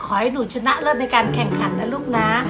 ขอให้หนูชนะเลิศในการแข่งขันนะลูกนะ